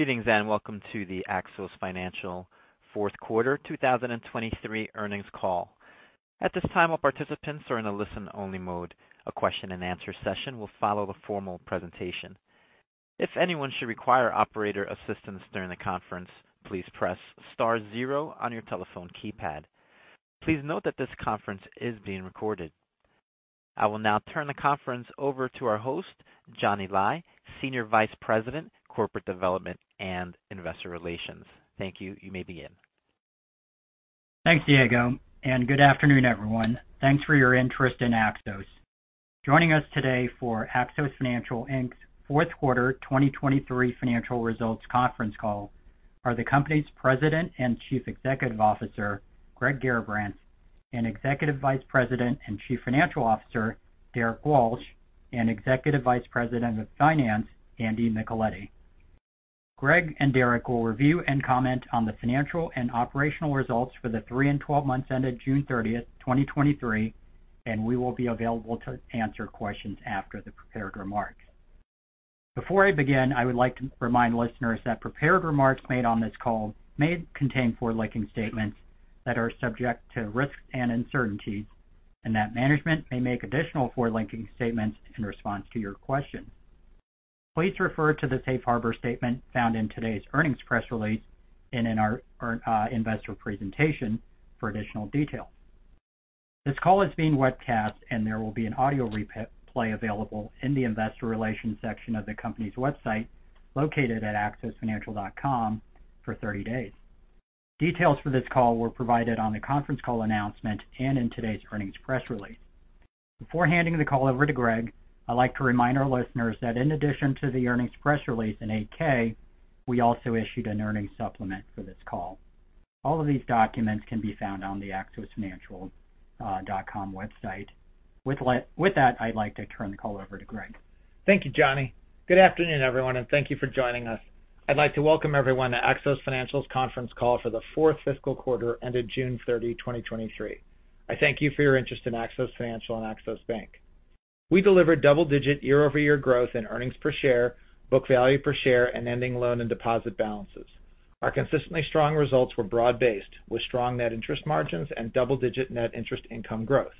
Evenings and welcome to the Axos Financial fourth quarter 2023 earnings call. At this time, all participants are in a listen-only mode. A question and answer session will follow the formal presentation. If anyone should require operator assistance during the conference, please press star zero on your telephone keypad. Please note that this conference is being recorded. I will now turn the conference over to our host, Jhonny Lai, Senior Vice President, Corporate Development and Investor Relations. Thank you. You may begin. Thanks, Diego. Good afternoon, everyone. Thanks for your interest in Axos. Joining us today for Axos Financial Inc's fourth quarter 2023 financial results conference call are the company's President and Chief Executive Officer, Greg Garrabrants, and Executive Vice President and Chief Financial Officer, Derrick Walsh, and Executive Vice President of Finance, Andrew Micheletti. Greg and Derrick will review and comment on the financial and operational results for the 3 and 12 months ended June 30, 2023, and we will be available to answer questions after the prepared remarks. Before I begin, I would like to remind listeners that prepared remarks made on this call may contain forward-looking statements that are subject to risks and uncertainties, and that management may make additional forward-looking statements in response to your questions. Please refer to the safe harbor statement found in today's earnings press release and in our investor presentation for additional details. This call is being webcast, and there will be an audio replay available in the investor relations section of the company's website, located at axosfinancial.com, for 30 days. Details for this call were provided on the conference call announcement and in today's earnings press release. Before handing the call over to Greg, I'd like to remind our listeners that in addition to the earnings press release in 8-K, we also issued an earnings supplement for this call. All of these documents can be found on the axosfinancial.com website. With that, I'd like to turn the call over to Greg. Thank you, Johnny. Good afternoon, everyone, thank you for joining us. I'd like to welcome everyone to Axos Financial's conference call for the fourth fiscal quarter ended June 30, 2023. I thank you for your interest in Axos Financial and Axos Bank. We delivered double-digit year-over-year growth in earnings per share, book value per share, and ending loan and deposit balances. Our consistently strong results were broad-based, with strong net interest margins and double-digit net interest income growth.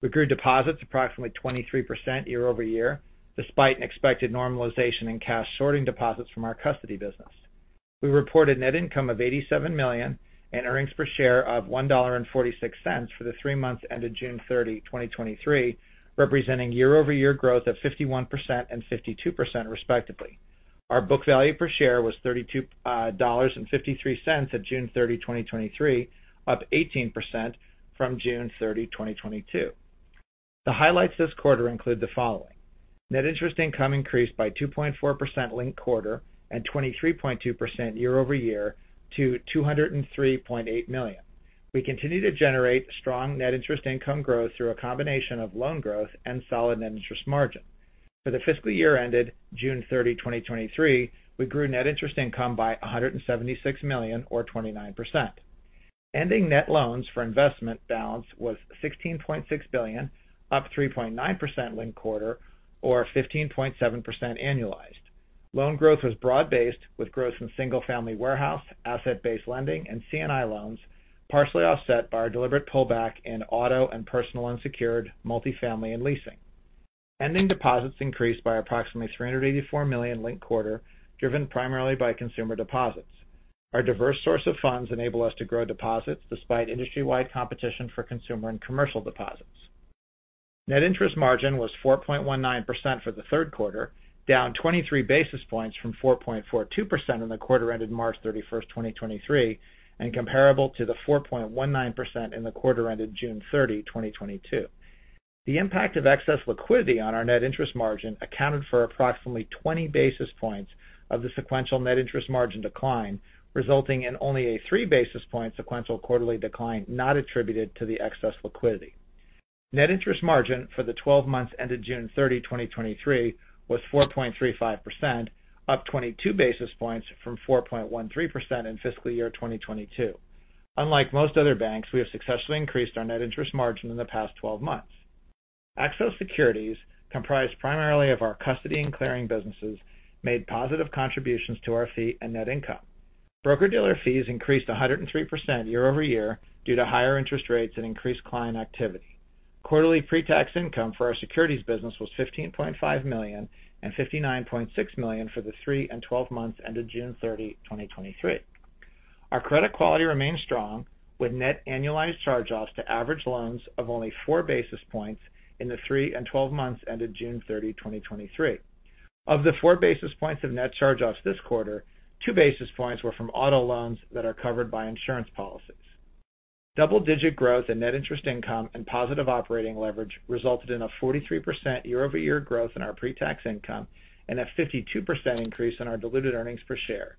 We grew deposits approximately 23% year-over-year, despite an expected normalization in cash sorting deposits from our custody business. We reported net income of $87 million and earnings per share of $1.46 for the three months ended June 30, 2023, representing year-over-year growth of 51% and 52% respectively. Our book value per share was $32.53 at June 30, 2023, up 18% from June 30, 2022. The highlights this quarter include the following: Net interest income increased by 2.4% linked quarter and 23.2% year-over-year to $203.8 million. We continue to generate strong net interest income growth through a combination of loan growth and solid net interest margin. For the fiscal year ended June 30, 2023, we grew net interest income by $176 million, or 29%. Ending net loans for investment balance was $16.6 billion, up 3.9% linked quarter or 15.7% annualized. Loan growth was broad-based, with growth in single-family warehouse, asset-based lending, and CNI loans, partially offset by our deliberate pullback in auto and personal unsecured multifamily and leasing. Ending deposits increased by approximately $384 million linked quarter, driven primarily by consumer deposits. Our diverse source of funds enable us to grow deposits despite industry-wide competition for consumer and commercial deposits. Net interest margin was 4.19% for the third quarter, down 23 basis points from 4.42% in the quarter ended March 31, 2023, and comparable to the 4.19% in the quarter ended June 30, 2022. The impact of excess liquidity on our net interest margin accounted for approximately 20 basis points of the sequential net interest margin decline, resulting in only a 3-basis point sequential quarterly decline not attributed to the excess liquidity. Net interest margin for the 12 months ended June 30, 2023, was 4.35%, up 22 basis points from 4.13% in fiscal year 2022. Unlike most other banks, we have successfully increased our net interest margin in the past 12 months. Axos Securities, comprised primarily of our custody and clearing businesses, made positive contributions to our fee and net income. Broker-dealer fees increased 103% year-over-year due to higher interest rates and increased client activity. Quarterly pre-tax income for our securities business was $15.5 million and $59.6 million for the 3 and 12 months ended June 30, 2023. Our credit quality remains strong, with net annualized charge-offs to average loans of only 4 basis points in the 3 and 12 months ended June 30, 2023. Of the 4 basis points of net charge-offs this quarter, 2 basis points were from auto loans that are covered by insurance policies. Double-digit growth and net interest income and positive operating leverage resulted in a 43% year-over-year growth in our pre-tax income and a 52% increase in our diluted earnings per share.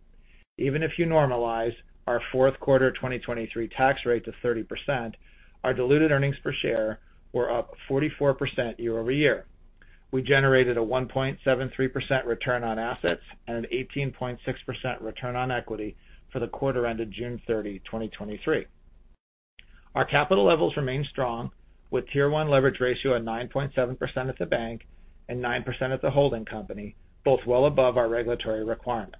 Even if you normalize our fourth quarter 2023 tax rate to 30%, our diluted earnings per share were up 44% year-over-year. We generated a 1.73% return on assets and an 18.6% return on equity for the quarter ended June 30, 2023. Our capital levels remain strong, with Tier 1 leverage ratio at 9.7% at the bank and 9% at the holding company, both well above our regulatory requirements.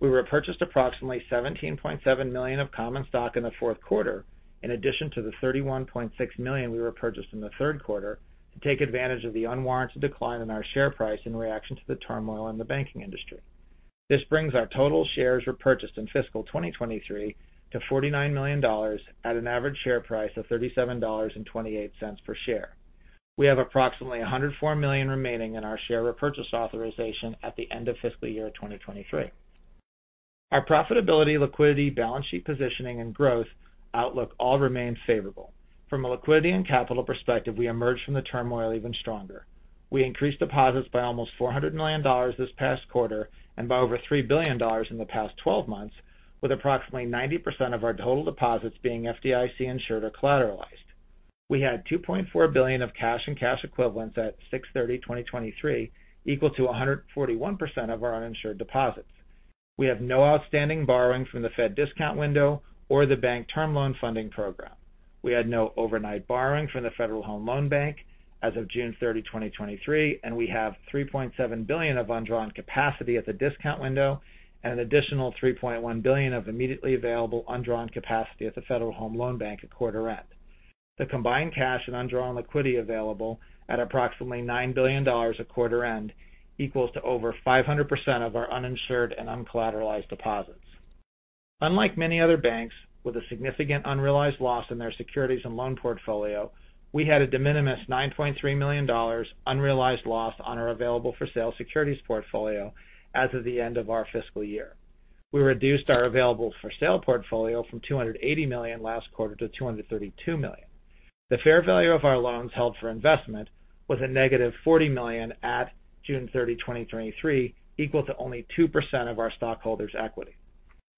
We repurchased approximately $17.7 million of common stock in the fourth quarter, in addition to the $31.6 million we repurchased in the third quarter, to take advantage of the unwarranted decline in our share price in reaction to the turmoil in the banking industry. This brings our total shares repurchased in fiscal 2023 to $49 million at an average share price of $37.28 per share. We have approximately $104 million remaining in our share repurchase authorization at the end of fiscal year 2023. Our profitability, liquidity, balance sheet positioning, and growth outlook all remain favorable. From a liquidity and capital perspective, we emerged from the turmoil even stronger. We increased deposits by almost $400 million this past quarter and by over $3 billion in the past 12 months, with approximately 90% of our total deposits being FDIC insured or collateralized. We had $2.4 billion of cash and cash equivalents at 6/30/2023, equal to 141% of our uninsured deposits. We have no outstanding borrowing from the Fed discount window or the Bank Term Funding Program. We had no overnight borrowing from the Federal Home Loan Bank as of June 30, 2023, and we have $3.7 billion of undrawn capacity at the discount window and an additional $3.1 billion of immediately available undrawn capacity at the Federal Home Loan Bank at quarter end. The combined cash and undrawn liquidity available at approximately $9 billion at quarter end equals to over 500% of our uninsured and uncollateralized deposits. Unlike many other banks with a significant unrealized loss in their securities and loan portfolio, we had a de minimis $9.3 million unrealized loss on our available-for-sale securities portfolio as of the end of our fiscal year. We reduced our available-for-sale portfolio from $280 million last quarter to $232 million. The fair value of our loans held for investment was -$40 million on June 30, 2023, equal to only 2% of our stockholders' equity.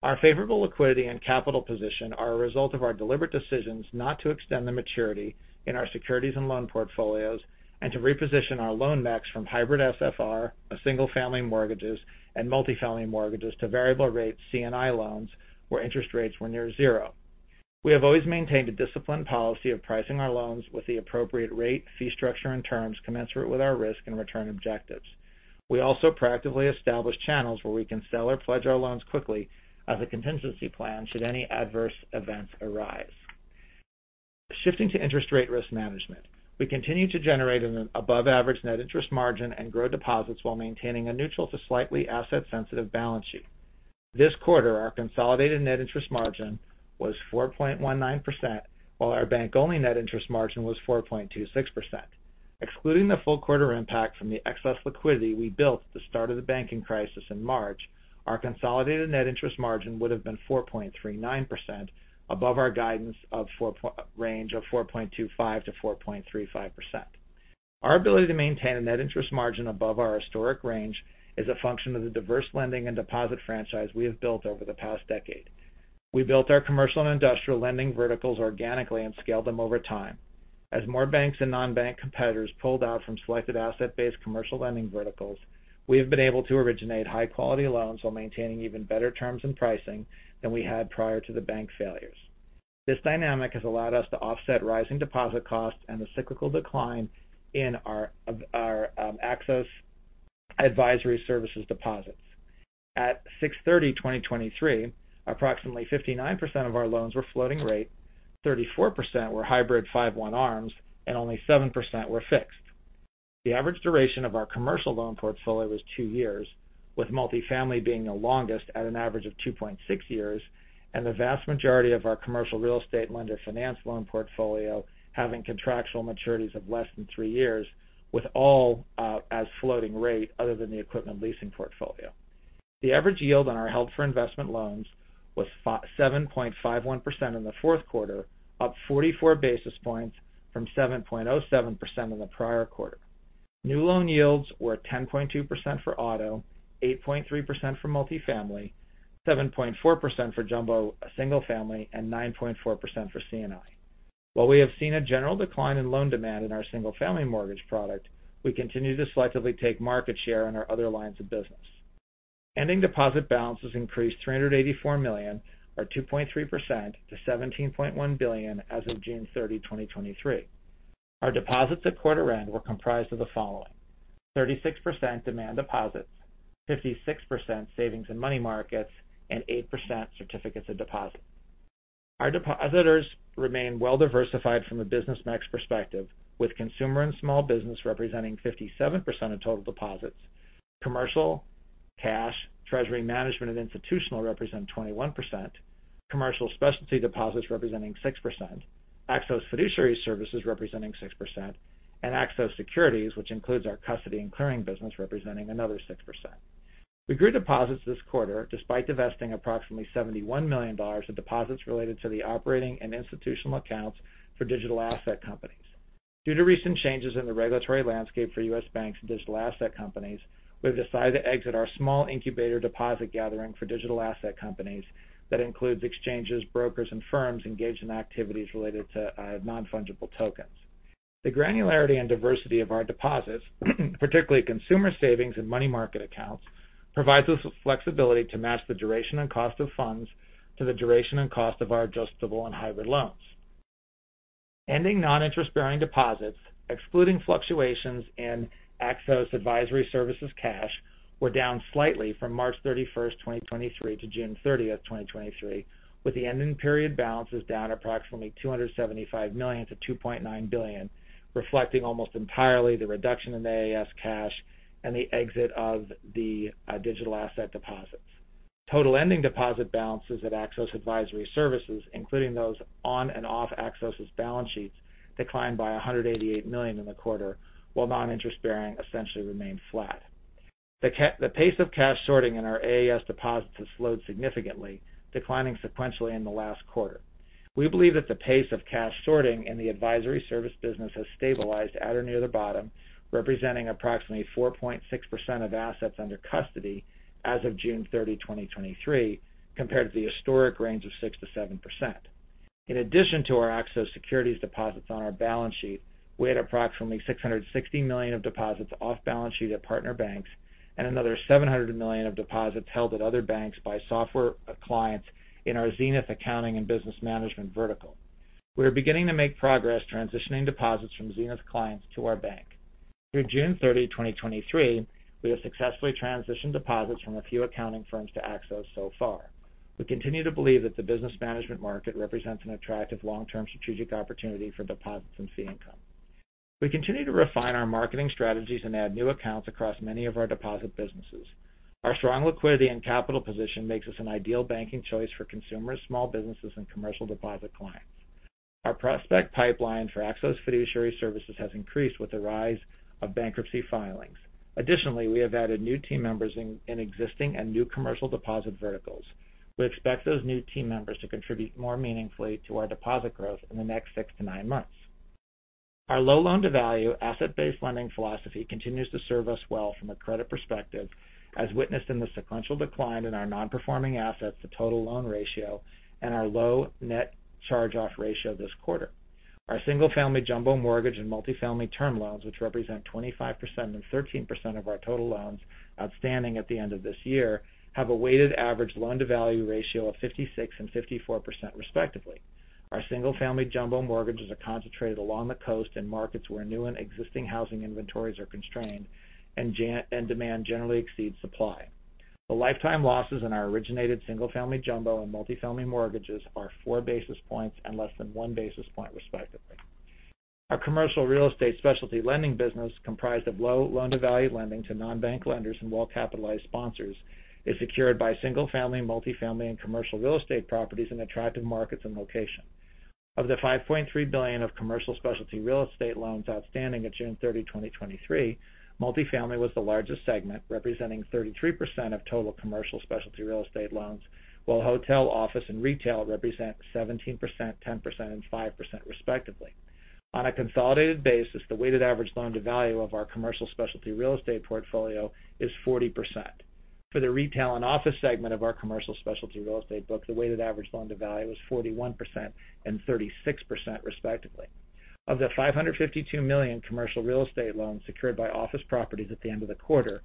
Our favorable liquidity and capital position are a result of our deliberate decisions not to extend the maturity in our securities and loan portfolios and to reposition our loan mix from hybrid SFR, a single-family mortgages and multifamily mortgages, to variable rate CNI loans, where interest rates were near zero. We have always maintained a disciplined policy of pricing our loans with the appropriate rate, fee structure, and terms commensurate with our risk and return objectives. We also proactively establish channels where we can sell or pledge our loans quickly as a contingency plan should any adverse events arise. Shifting to interest rate risk management, we continue to generate an above-average net interest margin and grow deposits while maintaining a neutral to slightly asset-sensitive balance sheet. This quarter, our consolidated net interest margin was 4.19%, while our bank-only net interest margin was 4.26%. Excluding the full quarter impact from the excess liquidity we built at the start of the banking crisis in March, our consolidated net interest margin would have been 4.39% above our guidance of range of 4.25%-4.35%. Our ability to maintain a net interest margin above our historic range is a function of the diverse lending and deposit franchise we have built over the past decade. We built our commercial and industrial lending verticals organically and scaled them over time. As more banks and non-bank competitors pulled out from selected asset-based commercial lending verticals, we have been able to originate high-quality loans while maintaining even better terms and pricing than we had prior to the bank failures. This dynamic has allowed us to offset rising deposit costs and the cyclical decline in our, our Axos Advisor Services deposits. At 6/30/2023, approximately 59% of our loans were floating rate, 34% were hybrid 5-1 ARMs, and only 7% were fixed. The average duration of our commercial loan portfolio was 2 years, with multifamily being the longest at an average of 2.6 years, and the vast majority of our commercial real estate Lender Finance loan portfolio having contractual maturities of less than 3 years, with all as floating rate other than the equipment leasing portfolio. The average yield on our held-for-investment loans was 7.51% in the fourth quarter, up 44 basis points from 7.07% in the prior quarter. New loan yields were 10.2% for auto, 8.3% for multifamily, 7.4% for jumbo single family, and 9.4% for CNI. While we have seen a general decline in loan demand in our single-family mortgage product, we continue to selectively take market share in our other lines of business. Ending deposit balances increased $384 million, or 2.3%, to $17.1 billion as of June 30, 2023. Our deposits at quarter end were comprised of the following: 36% demand deposits, 56% savings and money markets, and 8% certificates of deposit. Our depositors remain well diversified from a business mix perspective, with consumer and small business representing 57% of total deposits, commercial, cash, treasury management, and institutional representing 21%, commercial specialty deposits representing 6%, Axos Fiduciary Services representing 6%, and Axos Securities, which includes our custody and clearing business, representing another 6%. We grew deposits this quarter despite divesting approximately $71 million of deposits related to the operating and institutional accounts for digital asset companies. Due to recent changes in the regulatory landscape for U.S. banks and digital asset companies, we've decided to exit our small incubator deposit gathering for digital asset companies that includes exchanges, brokers, and firms engaged in activities related to non-fungible tokens. The granularity and diversity of our deposits, particularly consumer savings and money market accounts, provides us with flexibility to match the duration and cost of funds to the duration and cost of our adjustable and hybrid loans. Ending non-interest-bearing deposits, excluding fluctuations in Axos Advisor Services cash, were down slightly from March 31, 2023 to June 30, 2023, with the ending period balances down approximately $275 million to $2.9 billion, reflecting almost entirely the reduction in the AAS cash and the exit of the digital asset deposits. Total ending deposit balances at Axos Advisor Services, including those on and off Axos's balance sheets, declined by $188 million in the quarter, while non-interest-bearing essentially remained flat. The pace of cash sorting in our AAS deposits has slowed significantly, declining sequentially in the last quarter. We believe that the pace of cash sorting in the advisory service business has stabilized at or near the bottom, representing approximately 4.6% of assets under custody as of June 30, 2023, compared to the historic range of 6%-7%. In addition to our Axos Securities deposits on our balance sheet, we had approximately $660 million of deposits off balance sheet at partner banks and another $700 million of deposits held at other banks by software clients in our Zenith Accounting and Business Management vertical. We are beginning to make progress transitioning deposits from Zenith clients to our bank. Through June 30, 2023, we have successfully transitioned deposits from a few accounting firms to Axos so far. We continue to believe that the business management market represents an attractive long-term strategic opportunity for deposits and fee income. We continue to refine our marketing strategies and add new accounts across many of our deposit businesses. Our strong liquidity and capital position makes us an ideal banking choice for consumers, small businesses, and commercial deposit clients. Our prospect pipeline for Axos Fiduciary Services has increased with the rise of bankruptcy filings. Additionally, we have added new team members in existing and new commercial deposit verticals. We expect those new team members to contribute more meaningfully to our deposit growth in the next 6 to 9 months. Our low loan-to-value, asset-based lending philosophy continues to serve us well from a credit perspective, as witnessed in the sequential decline in our non-performing assets to total loan ratio and our low net charge-off ratio this quarter. Our single-family jumbo mortgage and multifamily term loans, which represent 25% and 13% of our total loans outstanding at the end of this year, have a weighted average loan-to-value ratio of 56% and 54% respectively. Our single-family jumbo mortgages are concentrated along the coast in markets where new and existing housing inventories are constrained, and demand generally exceeds supply. The lifetime losses in our originated single-family jumbo and multifamily mortgages are four basis points and less than one basis point, respectively. Our commercial real estate specialty lending business, comprised of low loan-to-value lending to non-bank lenders and well-capitalized sponsors, is secured by single-family, multifamily, and commercial real estate properties in attractive markets and locations. Of the $5.3 billion of commercial specialty real estate loans outstanding at June 30, 2023, multifamily was the largest segment, representing 33% of total commercial specialty real estate loans, while hotel, office, and retail represent 17%, 10%, and 5% respectively. On a consolidated basis, the weighted average loan-to-value of our commercial specialty real estate portfolio is 40%. For the retail and office segment of our commercial specialty real estate book, the weighted average loan-to-value is 41% and 36%, respectively. Of the $552 million commercial real estate loans secured by office properties at the end of the quarter,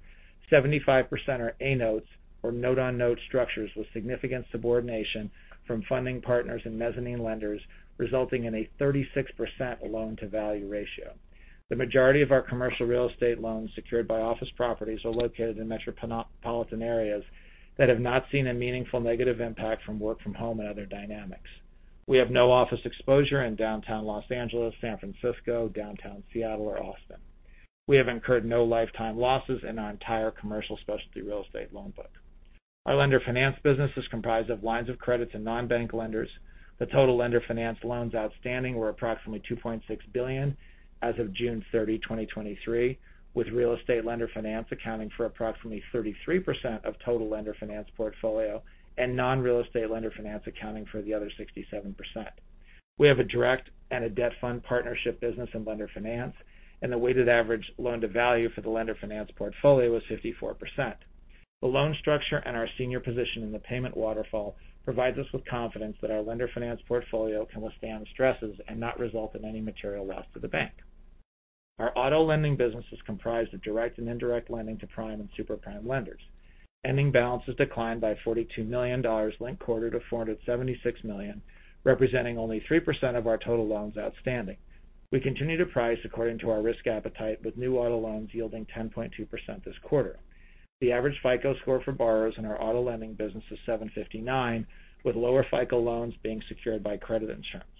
75% are A notes or note-on-note structures with significant subordination from funding partners and mezzanine lenders, resulting in a 36% loan-to-value ratio. The majority of our commercial real estate loans secured by office properties are located in metropolitan areas that have not seen a meaningful negative impact from work from home and other dynamics. We have no office exposure in downtown Los Angeles, San Francisco, downtown Seattle, or Austin. We have incurred no lifetime losses in our entire commercial specialty real estate loan book. Our Lender Finance business is comprised of lines of credits and non-bank lenders. The total Lender Finance loans outstanding were approximately $2.6 billion as of June 30, 2023, with real estate Lender Finance accounting for approximately 33% of total Lender Finance portfolio and non-real estate Lender Finance accounting for the other 67%. We have a direct and a debt fund partnership business in Lender Finance, the weighted average loan-to-value for the Lender Finance portfolio was 54%. The loan structure and our senior position in the payment waterfall provides us with confidence that our Lender Finance portfolio can withstand stresses and not result in any material loss to the bank. Our auto lending business is comprised of direct and indirect lending to prime and super prime lenders. Ending balances declined by $42 million linked quarter to $476 million, representing only 3% of our total loans outstanding. We continue to price according to our risk appetite, with new auto loans yielding 10.2% this quarter. The average FICO score for borrowers in our auto lending business is 759, with lower FICO loans being secured by credit insurance.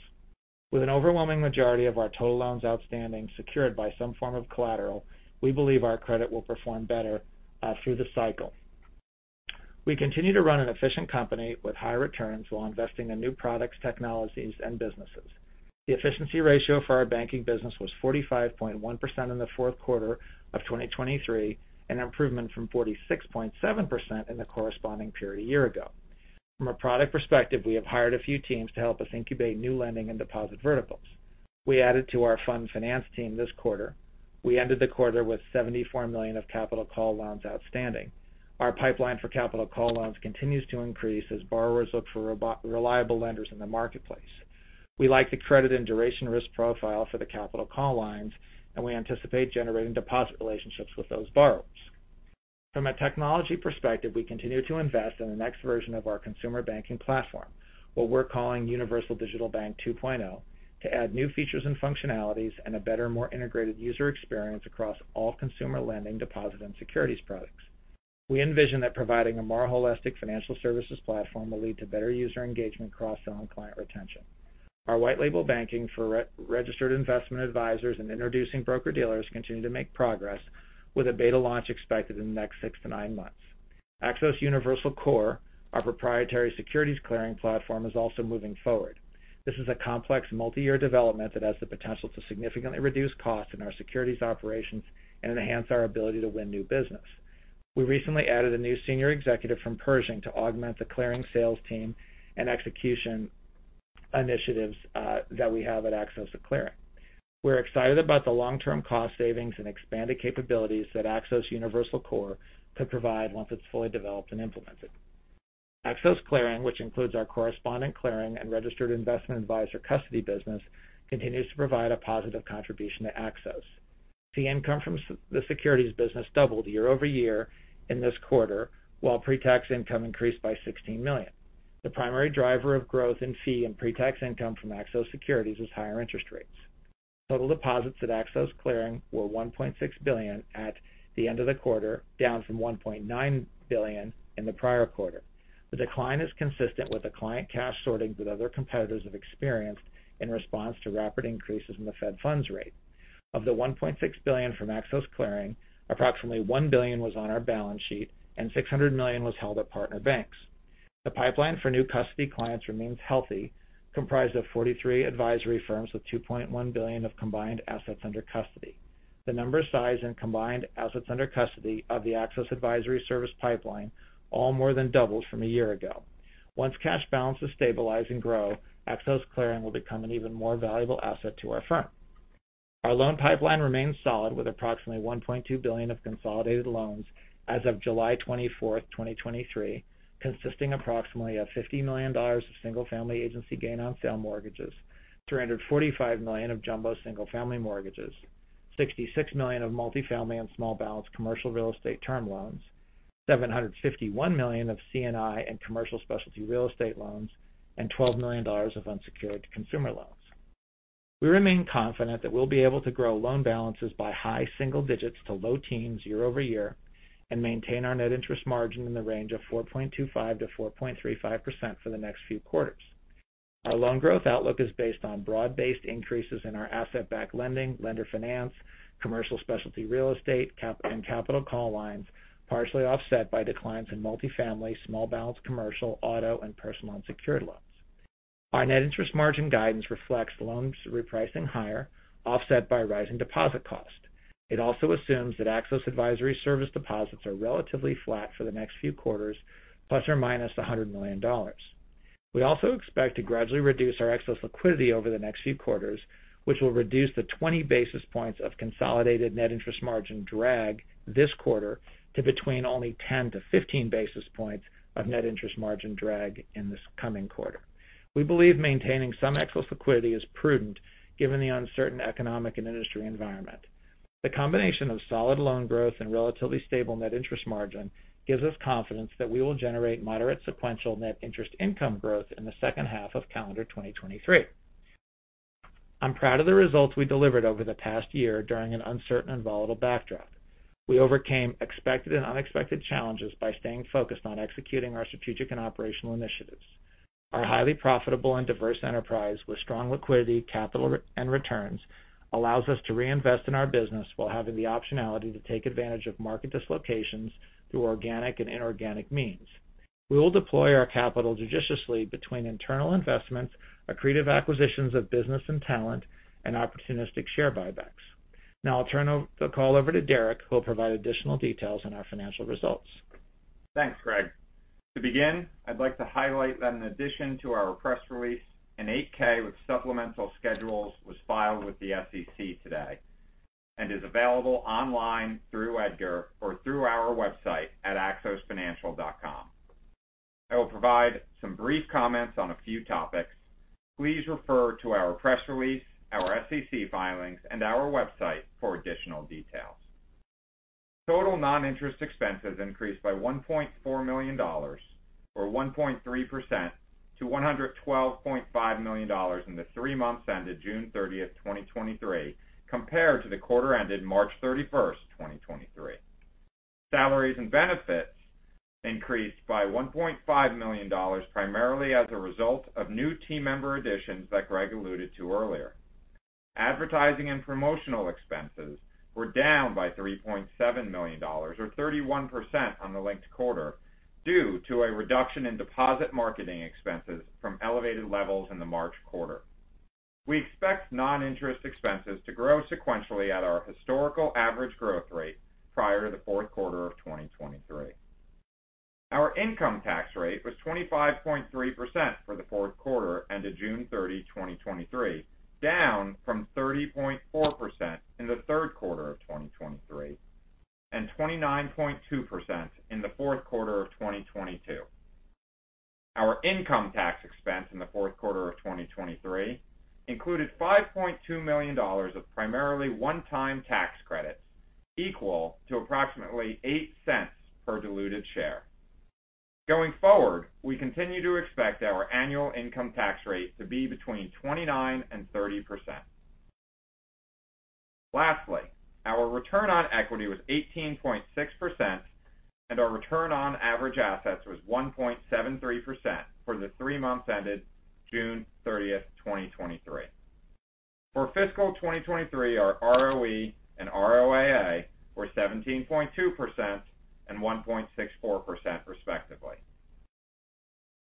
With an overwhelming majority of our total loans outstanding secured by some form of collateral, we believe our credit will perform better through the cycle. We continue to run an efficient company with high returns while investing in new products, technologies, and businesses. The efficiency ratio for our banking business was 45.1% in the fourth quarter of 2023, an improvement from 46.7% in the corresponding period a year ago. From a product perspective, we have hired a few teams to help us incubate new lending and deposit verticals. We added to our fund finance team this quarter. We ended the quarter with $74 million of capital call loans outstanding. Our pipeline for capital call loans continues to increase as borrowers look for reliable lenders in the marketplace. We like the credit and duration risk profile for the capital call lines, and we anticipate generating deposit relationships with those borrowers. From a technology perspective, we continue to invest in the next version of our consumer banking platform, what we're calling Universal Digital Bank 2.0, to add new features and functionalities and a better, more integrated user experience across all consumer lending, deposit, and securities products. We envision that providing a more holistic financial services platform will lead to better user engagement, cross-sell, and client retention. Our white label banking for registered investment advisors and introducing broker-dealers continue to make progress, with a beta launch expected in the next six to nine months. Axos Universal Core, our proprietary securities clearing platform, is also moving forward. This is a complex, multi-year development that has the potential to significantly reduce costs in our securities operations and enhance our ability to win new business. We recently added a new senior executive from Pershing to augment the clearing sales team and execution initiatives that we have at Axos Clearing. We're excited about the long-term cost savings and expanded capabilities that Axos Universal Core could provide once it's fully developed and implemented. Axos Clearing, which includes our correspondent clearing and registered investment advisor custody business, continues to provide a positive contribution to Axos. Fee income from the securities business doubled year-over-year in this quarter, while pre-tax income increased by $16 million. The primary driver of growth in fee and pre-tax income from Axos Securities is higher interest rates. Total deposits at Axos Clearing were $1.6 billion at the end of the quarter, down from $1.9 billion in the prior quarter. The decline is consistent with the client cash sorting that other competitors have experienced in response to rapid increases in the Fed funds rate. Of the $1.6 billion from Axos Clearing, approximately $1 billion was on our balance sheet and $600 million was held at partner banks. The pipeline for new custody clients remains healthy, comprised of 43 advisory firms with $2.1 billion of combined assets under custody. The number, size, and combined assets under custody of the Axos Advisor Services pipeline all more than doubled from a year ago. Once cash balances stabilize and grow, Axos Clearing will become an even more valuable asset to our firm. Our loan pipeline remains solid, with approximately $1.2 billion of consolidated loans as of July 24, 2023, consisting approximately of $50 million of single-family agency gain on sale mortgages, $345 million of jumbo single-family mortgages, $66 million of multifamily and small balance commercial real estate term loans, $751 million of C&I and commercial specialty real estate loans, and $12 million of unsecured consumer loans. We remain confident that we'll be able to grow loan balances by high single digits to low teens year over year and maintain our net interest margin in the range of 4.25%-4.35% for the next few quarters. Our loan growth outlook is based on broad-based increases in our asset-backed lending, Lender Finance, commercial specialty real estate, and capital call lines, partially offset by declines in multifamily, small balance commercial, auto, and personal unsecured loans. Our net interest margin guidance reflects loans repricing higher, offset by rising deposit cost. It also assumes that Axos Advisor Services deposits are relatively flat for the next few quarters, ±$100 million. We also expect to gradually reduce our excess liquidity over the next few quarters, which will reduce the 20 basis points of consolidated net interest margin drag this quarter to between only 10-15 basis points of net interest margin drag in this coming quarter. We believe maintaining some excess liquidity is prudent, given the uncertain economic and industry environment. The combination of solid loan growth and relatively stable net interest margin gives us confidence that we will generate moderate sequential net interest income growth in the second half of calendar 2023. I'm proud of the results we delivered over the past year during an uncertain and volatile backdrop. We overcame expected and unexpected challenges by staying focused on executing our strategic and operational initiatives. Our highly profitable and diverse enterprise, with strong liquidity, capital, and returns, allows us to reinvest in our business while having the optionality to take advantage of market dislocations through organic and inorganic means. We will deploy our capital judiciously between internal investments, accretive acquisitions of business and talent, and opportunistic share buybacks. I'll turn the call over to Derek, who will provide additional details on our financial results. Thanks, Greg. To begin, I'd like to highlight that in addition to our press release, an 8-K with supplemental schedules was filed with the SEC today and is available online through EDGAR or through our website at axosfinancial.com. I will provide some brief comments on a few topics. Please refer to our press release, our SEC filings, and our website for additional details. Total non-interest expenses increased by $1.4 million, or 1.3%, to $112.5 million in the three months ended June 30, 2023, compared to the quarter ended March 31, 2023. Salaries and benefits increased by $1.5 million, primarily as a result of new team member additions that Greg alluded to earlier. Advertising and promotional expenses were down by $3.7 million, or 31%, on the linked quarter due to a reduction in deposit marketing expenses from elevated levels in the March quarter. We expect non-interest expenses to grow sequentially at our historical average growth rate prior to the fourth quarter of 2023. Our income tax rate was 25.3% for the fourth quarter ended June 30, 2023, down from 30.4% in the third quarter of 2023, and 29.2% in the fourth quarter of 2022. Our income tax expense in the fourth quarter of 2023 included $5.2 million of primarily one-time tax credits, equal to approximately $0.08 per diluted share. Going forward, we continue to expect our annual income tax rate to be between 29%-30%. Lastly, our return on equity was 18.6%, and our return on average assets was 1.73% for the three months ended June 30, 2023. For fiscal 2023, our ROE and ROAA were 17.2% and 1.64% respectively.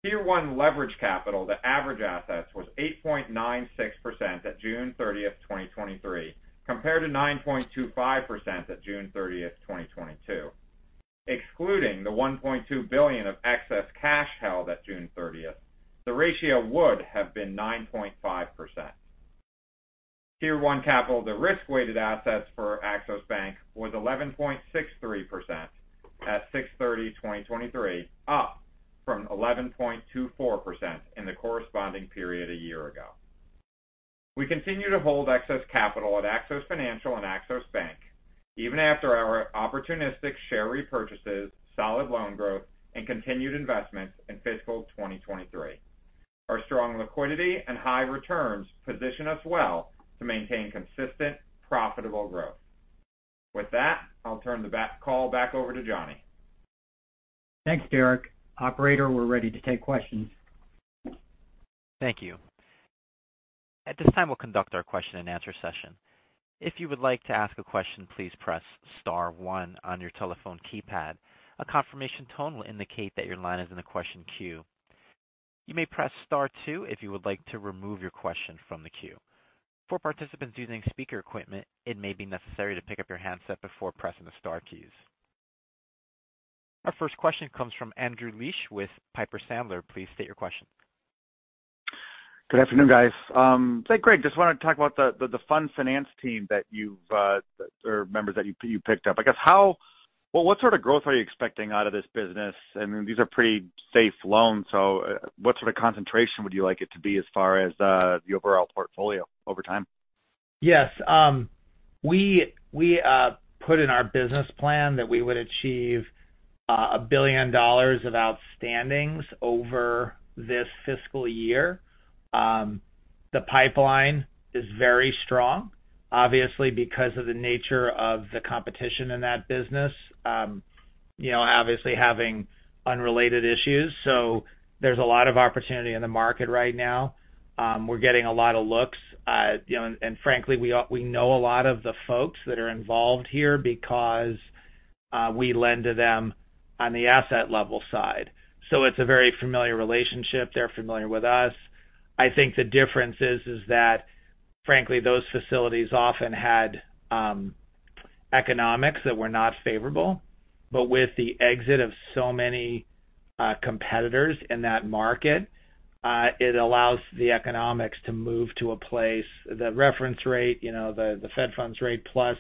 Tier 1 leverage capital to average assets was 8.96% at June 30, 2023, compared to 9.25% at June 30, 2022. Excluding the $1.2 billion of excess cash held at June 30, the ratio would have been 9.5%. Tier 1 capital, the risk-weighted assets for Axos Bank was 11.63% at 6/30/2023, up from 11.24% in the corresponding period a year ago. We continue to hold excess capital at Axos Financial and Axos Bank, even after our opportunistic share repurchases, solid loan growth, and continued investments in fiscal 2023. Our strong liquidity and high returns position us well to maintain consistent, profitable growth. With that, I'll turn the call back over to Johnny. Thanks, Derek. Operator, we're ready to take questions. Thank you. At this time, we'll conduct our question-and-answer session. If you would like to ask a question, please press star one on your telephone keypad. A confirmation tone will indicate that your line is in the question queue. You may press star two if you would like to remove your question from the queue. For participants using speaker equipment, it may be necessary to pick up your handset before pressing the star keys. Our first question comes from Andrew Liesch with Piper Sandler. Please state your question. Good afternoon, guys. Greg, just wanted to talk about the, the fund finance team that you've, or members that you, you picked up. Well, what sort of growth are you expecting out of this business? I mean, these are pretty safe loans, so what sort of concentration would you like it to be as far as the overall portfolio over time? Yes. We, we put in our business plan that we would achieve $1 billion of outstandings over this fiscal year. The pipeline is very strong, obviously, because of the nature of the competition in that business, you know, obviously having unrelated issues. There's a lot of opportunity in the market right now. We're getting a lot of looks. You know, and, and frankly, we know a lot of the folks that are involved here because we lend to them on the asset level side. It's a very familiar relationship. They're familiar with us. I think the difference is, is that, frankly, those facilities often had economics that were not favorable. With the exit of so many competitors in that market, it allows the economics to move to a place. The reference rate, you know, the, the Fed funds rate, plus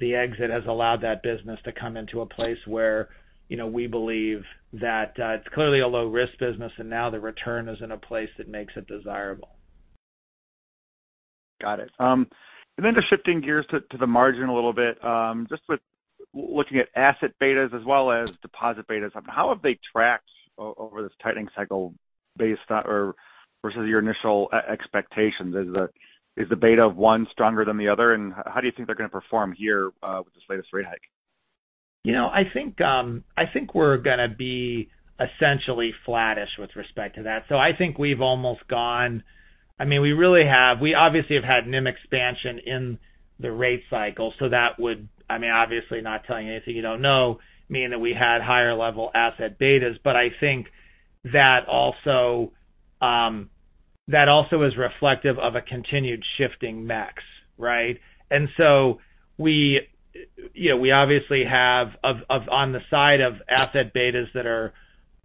the exit, has allowed that business to come into a place where, you know, we believe that, it's clearly a low-risk business, and now the return is in a place that makes it desirable. Got it. Then just shifting gears to, to the margin a little bit. Just with looking at asset betas as well as deposit betas, how have they tracked over this tightening cycle based on or versus your initial expectations? Is the, is the beta of one stronger than the other? How do you think they're going to perform here, with this latest rate hike? You know, I think, I think we're gonna be essentially flattish with respect to that. I think we've almost gone. I mean, we really have. We obviously have had NIM expansion in the rate cycle, so that would, I mean, obviously not telling you anything you don't know, mean that we had higher level asset betas. I think that also, that also is reflective of a continued shifting mix, right? We, you know, we obviously have on the side of asset betas that are,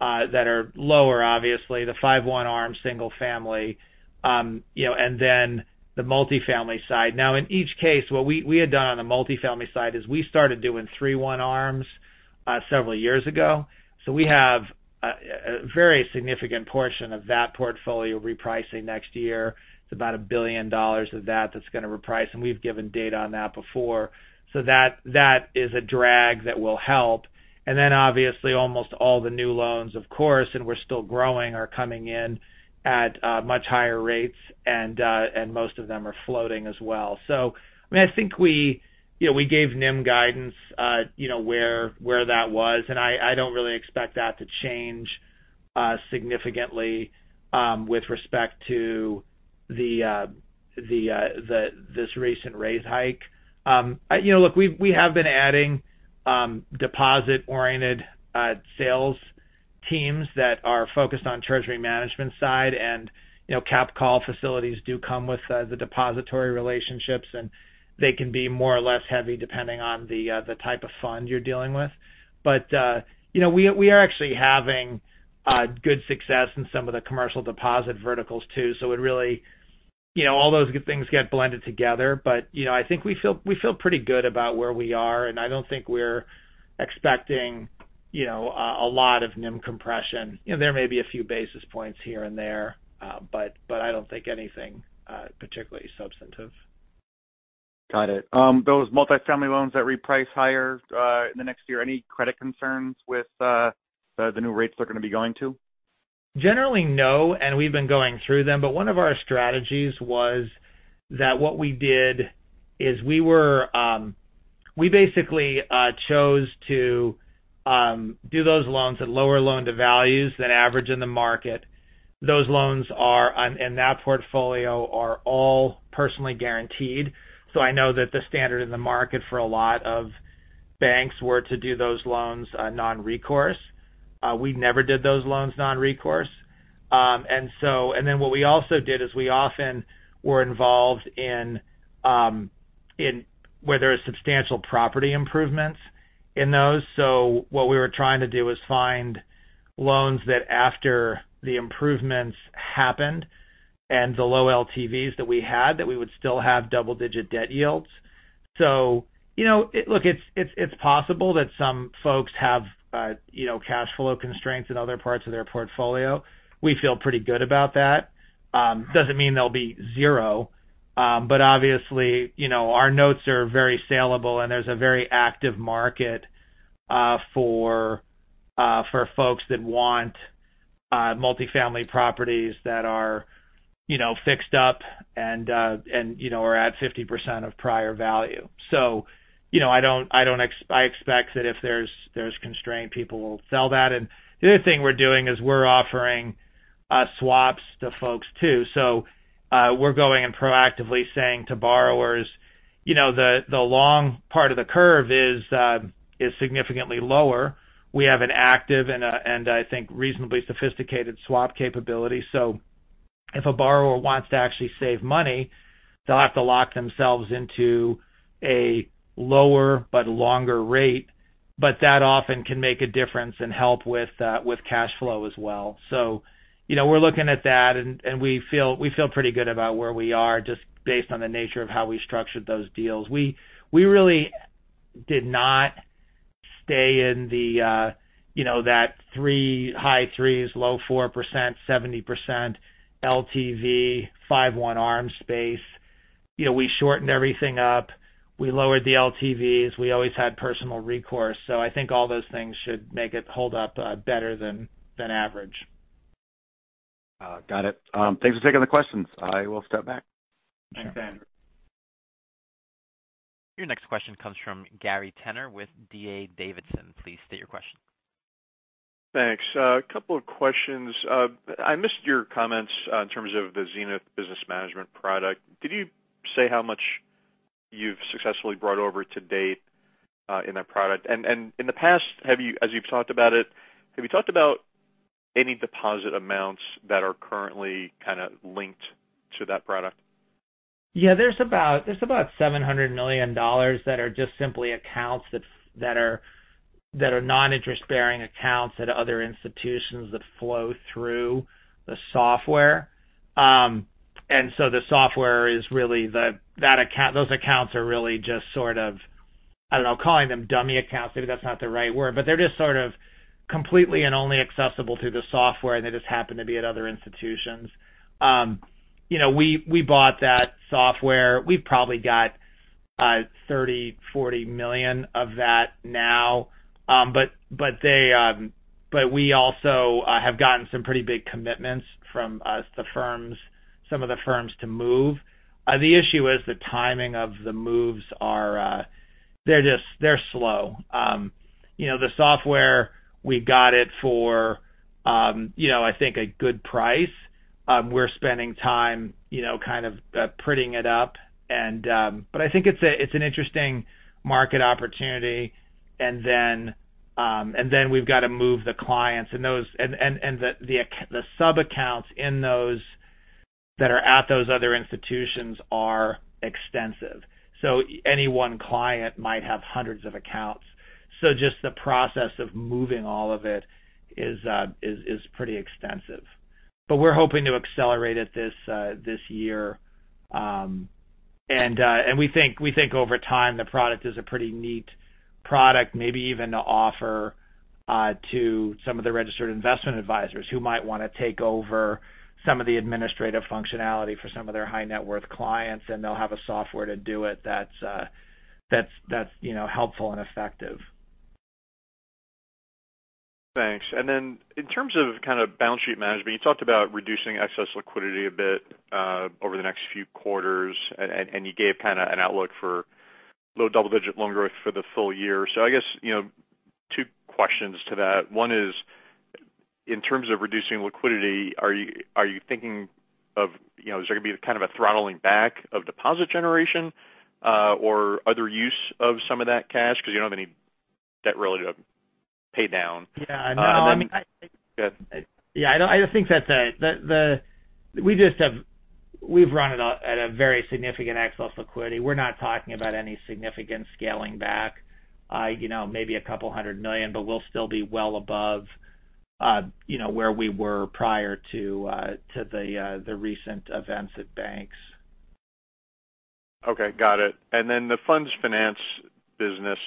that are lower, obviously, the 5-1 ARMs, single family, you know, and then the multifamily side. Now, in each case, what we, we had done on the multifamily side is we started doing 3-1 ARMs, several years ago. We have a, a very significant portion of that portfolio repricing next year. It's about $1 billion of that that's going to reprice. We've given data on that before. That, that is a drag that will help. Obviously, almost all the new loans, of course, and we're still growing, are coming in at much higher rates, and most of them are floating as well. I mean, I think we, you know, we gave NIM guidance, you know, where, where that was, and I, I don't really expect that to change significantly with respect to the, this recent raise hike. You know, look, we, we have been adding deposit-oriented sales teams that are focused on treasury management side, and, you know, cap call facilities do come with the depository relationships, and they can be more or less heavy, depending on the, the type of fund you're dealing with. You know, we, we are actually having good success in some of the commercial deposit verticals, too. It really, you know, all those good things get blended together. You know, I think we feel, we feel pretty good about where we are, and I don't think we're expecting, you know, a lot of NIM compression. You know, there may be a few basis points here and there, but, but I don't think anything particularly substantive. Got it. Those multifamily loans that reprice higher in the next year, any credit concerns with the new rates they're gonna be going to? Generally, no. We've been going through them. One of our strategies was that what we did is we were, we basically chose to do those loans at lower loan-to-values than average in the market. Those loans in that portfolio are all personally guaranteed. I know that the standard in the market for a lot of banks were to do those loans non-recourse. We never did those loans non-recourse. What we also did is we often were involved in where there was substantial property improvements in those. What we were trying to do is find loans that after the improvements happened, and the low LTVs that we had, that we would still have double-digit debt yields. You know, it, look, it's, it's, it's possible that some folks have, you know, cash flow constraints in other parts of their portfolio. We feel pretty good about that. Doesn't mean they'll be zero, but obviously, you know, our notes are very salable, and there's a very active market for folks that want multifamily properties that are, you know, fixed up and, and, you know, are at 50% of prior value. You know, I don't, I expect that if there's, there's constraint, people will sell that. The other thing we're doing is we're offering swaps to folks, too. We're going and proactively saying to borrowers, you know, the, the long part of the curve is significantly lower. We have an active and, and, I think, reasonably sophisticated swap capability. If a borrower wants to actually save money, they'll have to lock themselves into a lower but longer rate, but that often can make a difference and help with cash flow as well. You know, we're looking at that, and, and we feel, we feel pretty good about where we are, just based on the nature of how we structured those deals. We, we really did not stay in the, you know, that 3, high 3s, low 4%, 70% LTV, 5-1 ARM space. You know, we shortened everything up. We lowered the LTVs. We always had personal recourse. I think all those things should make it hold up better than, than average. Got it. Thanks for taking the questions. I will step back. Thanks, Andrew. Your next question comes from Gary Tenner with D.A. Davidson. Please state your question. Thanks. A couple of questions. I missed your comments in terms of the Zenith business management product. Did you say how much you've successfully brought over to date in that product? In the past, as you've talked about it, have you talked about any deposit amounts that are currently kind of linked to that product? Yeah, there's about, there's about $700 million that are just simply accounts that, that are, that are non-interest-bearing accounts at other institutions that flow through the software. The software is really the, those accounts are really just sort of, I don't know, calling them dummy accounts, maybe that's not the right word. They're just sort of completely and only accessible through the software, and they just happen to be at other institutions. You know, we, we bought that software. We've probably got $30 million-$40 million of that now. We also have gotten some pretty big commitments from the firms, some of the firms to move. The issue is the timing of the moves are, they're slow. You know, the software, we got it for, you know, I think, a good price. We're spending time, you know, kind of prettying it up, and. I think it's a, it's an interesting market opportunity, and then, and then we've got to move the clients and those. And, and, and the ac- the sub-accounts in those that are at those other institutions are extensive. Any 1 client might have hundreds of accounts. Just the process of moving all of it is, is, is pretty extensive. We're hoping to accelerate it this year. We think, we think over time, the product is a pretty neat product, maybe even to offer to some of the registered investment advisors, who might wanna take over some of the administrative functionality for some of their high-net-worth clients, and they'll have a software to do it that's, you know, helpful and effective. Thanks. In terms of kind of balance sheet management, you talked about reducing excess liquidity a bit, over the next few quarters, and you gave kind of an outlook for low double-digit loan growth for the full year. I guess, you know, 2 questions to that. In terms of reducing liquidity, are you, are you thinking of, you know, is there going to be kind of a throttling back of deposit generation, or other use of some of that cash because you don't have any debt really to pay down? Yeah. Go ahead. Yeah, I don't think that's we just we've run it at a very significant excess of liquidity. We're not talking about any significant scaling back, you know, maybe $200 million, but we'll still be well above, you know, where we were prior to to the the recent events at banks. Okay, got it. Then the funds finance business,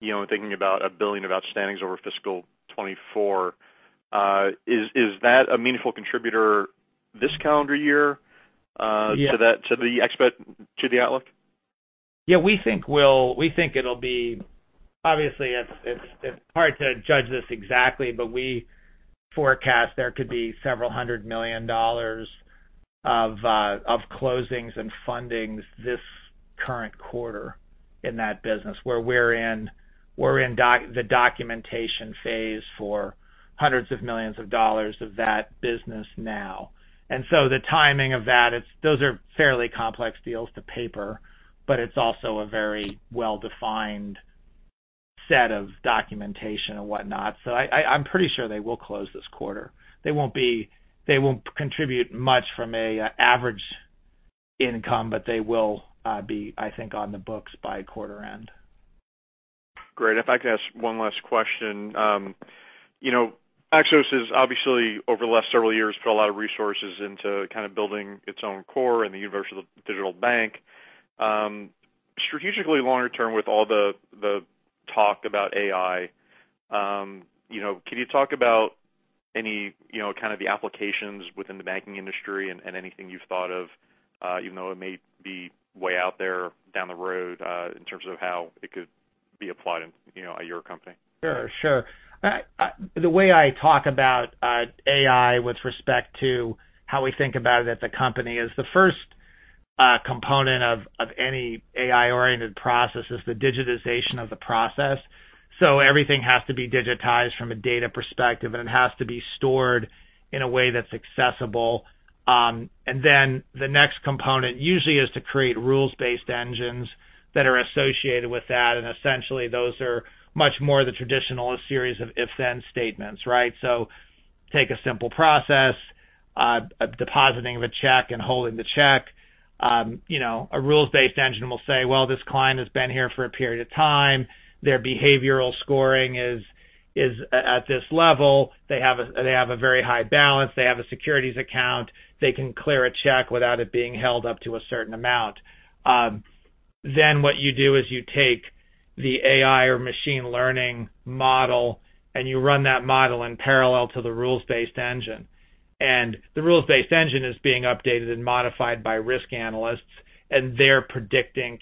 you know, thinking about $1 billion of outstandings over fiscal 2024, is, is that a meaningful contributor this calendar year? Yeah to that, to the expet, to the outlook? Yeah, we think it'll be. Obviously, it's, it's, it's hard to judge this exactly, but we forecast there could be $several hundred million of closings and fundings this current quarter in that business. Where we're in, we're in the documentation phase for $hundreds of millions of that business now. The timing of that, those are fairly complex deals to paper, but it's also a very well-defined set of documentation and whatnot. I, I, I'm pretty sure they will close this quarter. They won't contribute much from an average income, but they will be, I think, on the books by quarter end. Great. If I could ask one last question. You know, Axos has obviously, over the last several years, put a lot of resources into kind of building its own core in the Universal Digital Bank. Strategically, longer term, with all the, the talk about AI, you know, can you talk about any, you know, kind of the applications within the banking industry and, and anything you've thought of, even though it may be way out there down the road, in terms of how it could be applied in, you know, at your company? Sure, sure. The way I talk about AI with respect to how we think about it at the company is, the first component of any AI-oriented process is the digitization of the process. Everything has to be digitized from a data perspective, and it has to be stored in a way that's accessible. Then the next component usually is to create rules-based engines that are associated with that, and essentially those are much more the traditional series of if/then statements, right? Take a simple process, depositing of a check and holding the check. You know, a rules-based engine will say, well, this client has been here for a period of time. Their behavioral scoring is, is a- at this level. They have a, they have a very high balance. They have a securities account. They can clear a check without it being held up to a certain amount. Then what you do is you take the AI or machine learning model, and you run that model in parallel to the rules-based engine. The rules-based engine is being updated and modified by risk analysts, and they're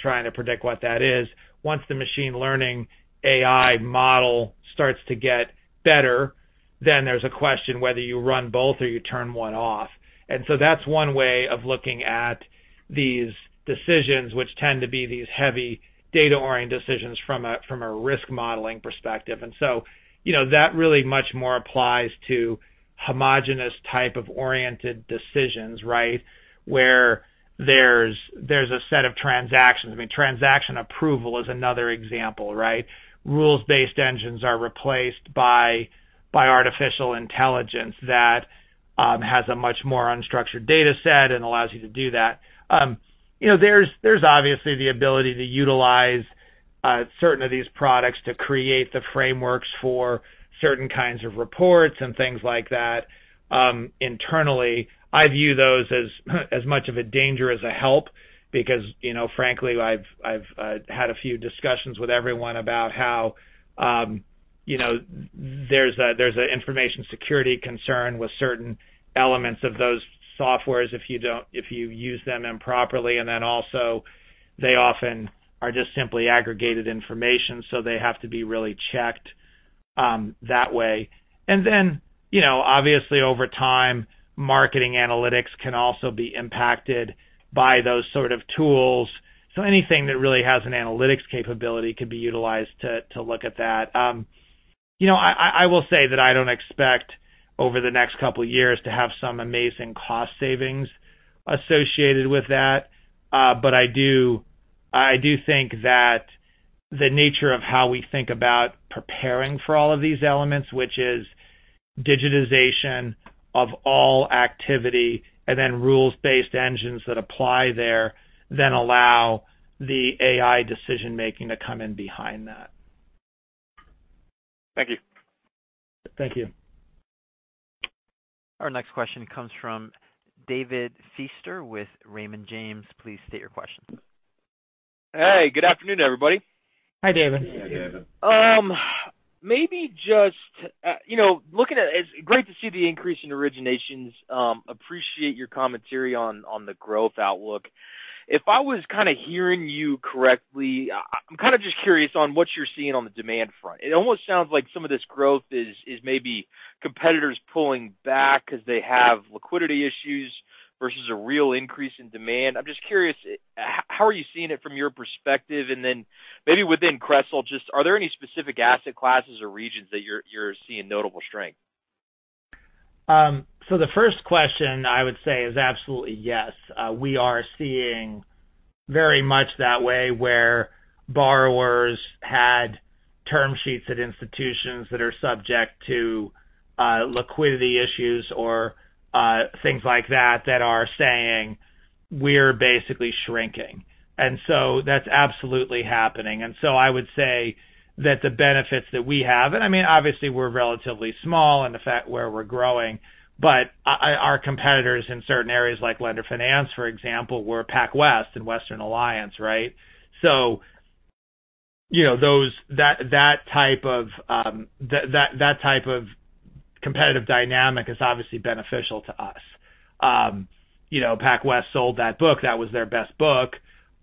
trying to predict what that is. Once the machine learning AI model starts to get better, then there's a question whether you run both or you turn one off. So that's one way of looking at these decisions, which tend to be these heavy data-oriented decisions from a, from a risk modeling perspective. So, you know, that really much more applies to homogenous type of oriented decisions, right? Where there's, there's a set of transactions. I mean, transaction approval is another example, right? Rules-based engines are replaced by artificial intelligence that has a much more unstructured data set and allows you to do that. You know, there's, there's obviously the ability to utilize certain of these products to create the frameworks for certain kinds of reports and things like that, internally. I view those as, as much of a danger as a help because, you know, frankly, I've, I've had a few discussions with everyone about how, you know, there's a, there's a information security concern with certain elements of those softwares if you use them improperly. Also, they often are just simply aggregated information, so they have to be really checked that way. Then, you know, obviously over time, marketing analytics can also be impacted by those sort of tools. Anything that really has an analytics capability could be utilized to, to look at that. You know, I, I, I will say that I don't expect over the next couple of years to have some amazing cost savings associated with that. I do, I do think that the nature of how we think about preparing for all of these elements, which is digitization of all activity and then rules-based engines that apply there, then allow the AI decision-making to come in behind that. Thank you. Thank you. Our next question comes from David Feaster with Raymond James. Please state your question. Hey, good afternoon, everybody. Hi, David. Hi, David. Maybe just, you know, looking at it, it's great to see the increase in originations. Appreciate your commentary on, on the growth outlook. If I was kind of hearing you correctly, I, I'm kind of just curious on what you're seeing on the demand front. It almost sounds like some of this growth is, is maybe competitors pulling back because they have liquidity issues. versus a real increase in demand. I'm just curious, how are you seeing it from your perspective? Then maybe within CRESL, just are there any specific asset classes or regions that you're, you're seeing notable strength? The first question I would say is absolutely yes. We are seeing very much that way where borrowers had term sheets at institutions that are subject to liquidity issues or things like that, that are saying, "We're basically shrinking." That's absolutely happening. I would say that the benefits that we have, I mean, obviously, we're relatively small in the fact where we're growing, but our competitors in certain areas like Lender Finance, for example, were PacWest and Western Alliance, right? You know, those that, that type of that, that, type of competitive dynamic is obviously beneficial to us. You know, PacWest sold that book, that was their best book.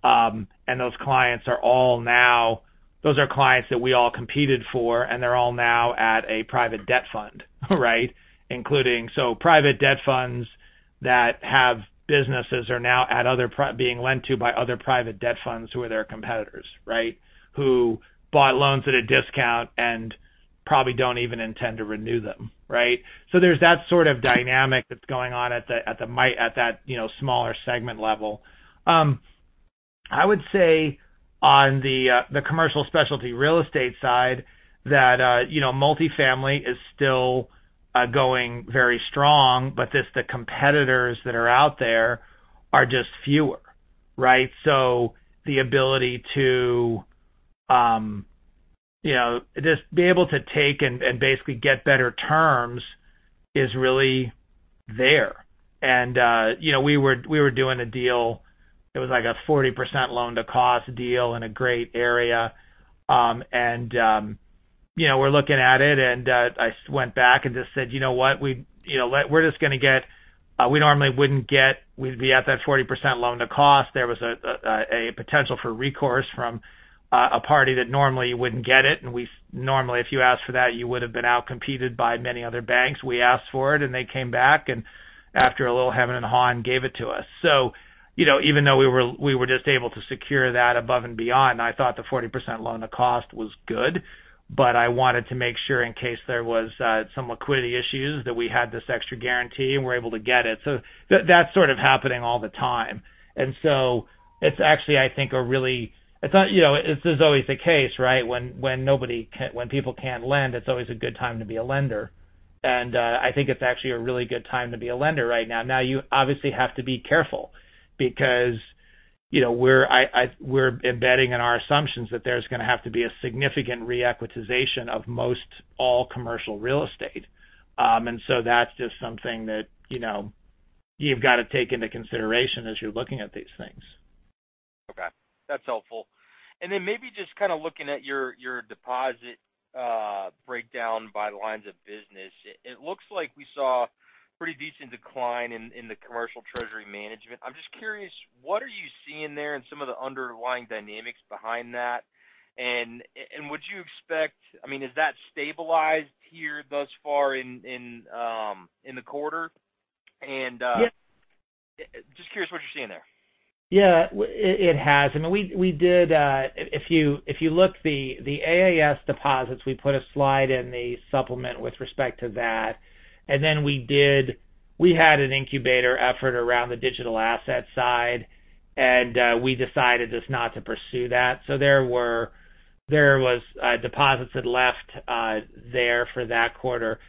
Those clients are all now those are clients that we all competed for, and they're all now at a private debt fund, right? Including, so private debt funds that have businesses are now at other pri-- being lent to by other private debt funds who are their competitors, right? Who bought loans at a discount and probably don't even intend to renew them, right? There's that sort of dynamic that's going on at the, at that, you know, smaller segment level. I would say on the commercial specialty real estate side, that, you know, multifamily is still going very strong, but just the competitors that are out there are just fewer, right? The ability to, you know, just be able to take and, and basically get better terms is really there. You know, we were, we were doing a deal, it was like a 40% loan-to-cost deal in a great area. You know, we're looking at it, and I went back and just said: "You know what? We, you know, let, we're just gonna get, we normally wouldn't get, we'd be at that 40% loan to cost." There was a potential for recourse from a party that normally wouldn't get it. We, normally, if you asked for that, you would have been outcompeted by many other banks. We asked for it, and they came back, and after a little hemming and hawing, gave it to us. You know, even though we were, we were just able to secure that above and beyond, I thought the 40% loan to cost was good, but I wanted to make sure in case there was some liquidity issues, that we had this extra guarantee and were able to get it. That's sort of happening all the time. It's actually, I think, a really, it's not, you know, this is always the case, right? When, when nobody, when people can't lend, it's always a good time to be a lender. I think it's actually a really good time to be a lender right now. Now, you obviously have to be careful because, you know, we're, I, I, we're embedding in our assumptions that there's gonna have to be a significant re-equitization of most all commercial real estate. That's just something that, you know, you've got to take into consideration as you're looking at these things. Okay, that's helpful. Then maybe just kind of looking at your, your deposit breakdown by lines of business. It looks like we saw a pretty decent decline in, in the commercial treasury management. I'm just curious, what are you seeing there and some of the underlying dynamics behind that? Would you expect-- I mean, is that stabilized here thus far in the quarter? Yeah. Just curious what you're seeing there? Yeah, it, it has. I mean, we, we did. If you, if you look the, the AAS deposits, we put a slide in the supplement with respect to that. we had an incubator effort around the digital asset side, and we decided just not to pursue that. there was deposits that left there for that quarter.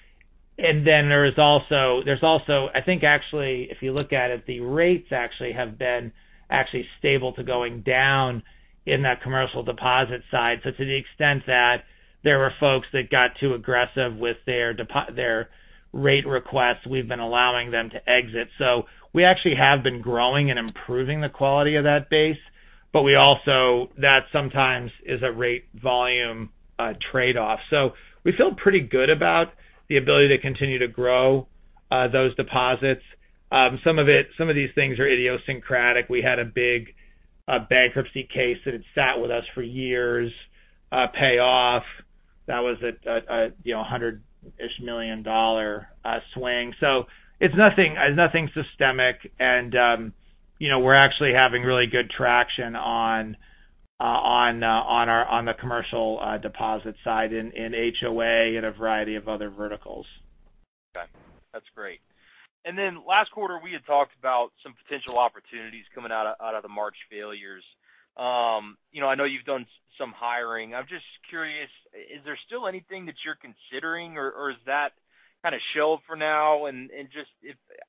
there's also, I think, actually, if you look at it, the rates actually have been actually stable to going down in that commercial deposit side. to the extent that there were folks that got too aggressive with their rate requests, we've been allowing them to exit. we actually have been growing and improving the quality of that base, but we also... that sometimes is a rate volume trade-off. We feel pretty good about the ability to continue to grow, those deposits. Some of these things are idiosyncratic. We had a big bankruptcy case that had sat with us for years, pay off. That was a, you know, $hundred-ish million dollar swing. It's nothing, it's nothing systemic, and, you know, we're actually having really good traction on our, on the commercial, deposit side, in HOA and a variety of other verticals. Okay. That's great. Then last quarter, we had talked about some potential opportunities coming out of, out of the March failures. You know, I know you've done some hiring. I'm just curious, is there still anything that you're considering, or, or is that kind of shelved for now? Just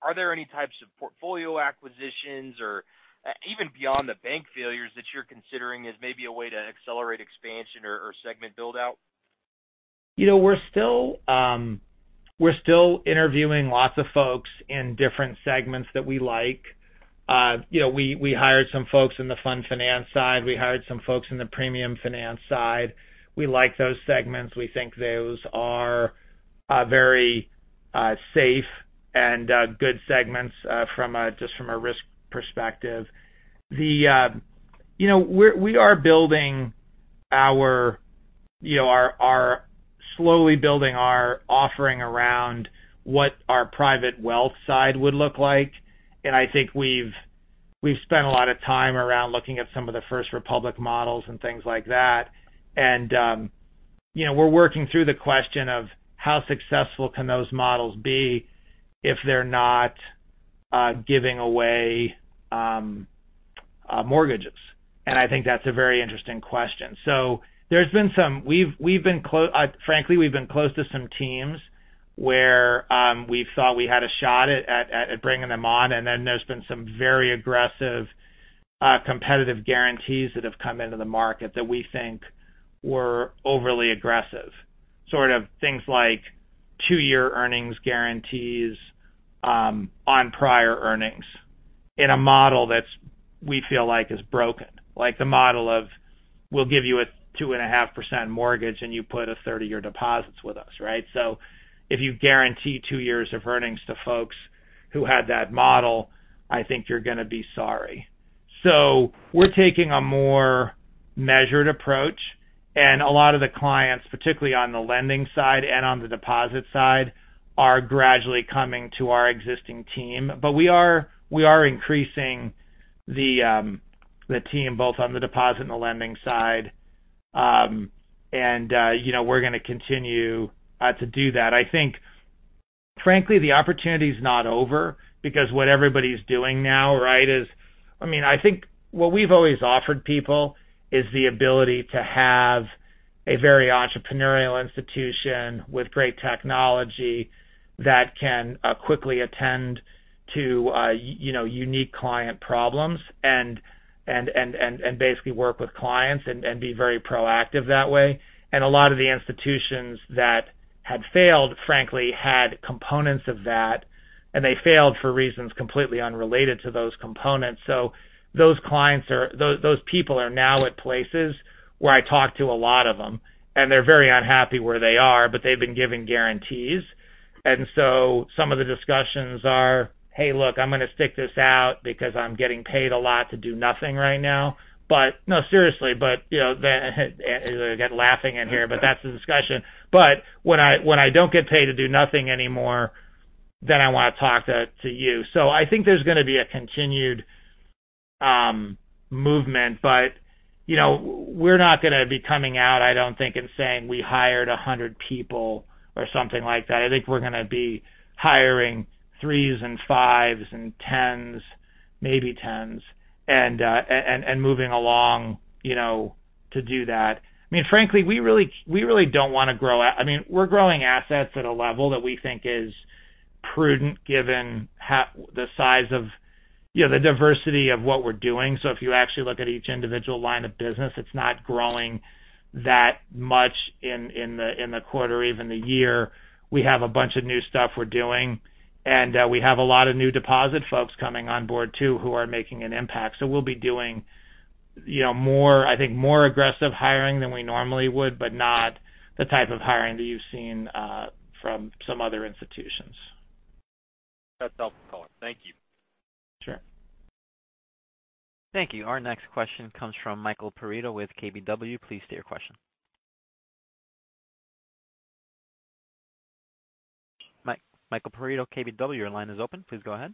are there any types of portfolio acquisitions or even beyond the bank failures that you're considering as maybe a way to accelerate expansion or, or segment build-out? You know, we're still, we're still interviewing lots of folks in different segments that we like. You know, we, we hired some folks in the fund finance side. We hired some folks in the premium finance side. We like those segments. We think those are very safe and good segments from a, just from a risk perspective. The, you know, we are building our, you know, are slowly building our offering around what our private wealth side would look like. I think we've, we've spent a lot of time around looking at some of the First Republic models and things like that. You know, we're working through the question of how successful can those models be if they're not giving away mortgages? I think that's a very interesting question. There's been frankly, we've been close to some teams where we thought we had a shot at bringing them on. There's been some very aggressive competitive guarantees that have come into the market that we think were overly aggressive. Sort of things like 2-year earnings guarantees on prior earnings, in a model that's, we feel like is broken. Like the model of we'll give you a 2.5% mortgage, and you put a 30-year deposits with us, right? If you guarantee 2 years of earnings to folks who had that model, I think you're gonna be sorry. A lot of the clients, particularly on the lending side and on the deposit side, are gradually coming to our existing team. We are, we are increasing the, the team, both on the deposit and the lending side. You know, we're gonna continue to do that. I think, frankly, the opportunity is not over because what everybody's doing now, right, is. I mean, I think what we've always offered people is the ability to have a very entrepreneurial institution with great technology that can quickly attend to, you know, unique client problems and, and, and, and, and basically work with clients and, and be very proactive that way. A lot of the institutions that had failed, frankly, had components of that, and they failed for reasons completely unrelated to those components. Those clients are-- those, those people are now at places where I talk to a lot of them, and they're very unhappy where they are, but they've been given guarantees. Some of the discussions are: Hey, look, I'm gonna stick this out because I'm getting paid a lot to do nothing right now. No, seriously, but, you know, I got laughing in here, but that's the discussion. When I, when I don't get paid to do nothing anymore, then I wanna talk to, to you. I think there's gonna be a continued movement, but, you know, we're not gonna be coming out, I don't think, and saying, we hired 100 people or something like that. I think we're gonna be hiring threes and fives and 10s, maybe 10s, and, and, and moving along, you know, to do that. I mean, frankly, we really, we really don't wanna grow. I mean, we're growing assets at a level that we think is prudent, given how the size of, you know, the diversity of what we're doing. If you actually look at each individual line of business, it's not growing that much in, in the, in the quarter or even the year. We have a bunch of new stuff we're doing, and we have a lot of new deposit folks coming on board, too, who are making an impact. We'll be doing, you know, more, I think more aggressive hiring than we normally would, but not the type of hiring that you've seen from some other institutions. That's helpful. Thank you. Sure. Thank you. Our next question comes from Mike Perito with KBW. Please state your question. Mike Perito, KBW, your line is open. Please go ahead.